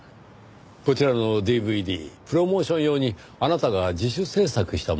こちらのＤＶＤプロモーション用にあなたが自主制作したものだとか。